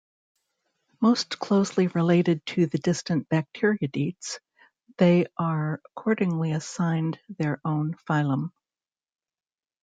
Most closely related to the distant Bacteroidetes, they are accordingly assigned their own phylum.